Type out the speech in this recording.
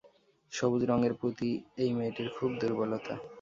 সবুজ রঙের প্রতি এই মেয়েটির খুব দুর্বলতা।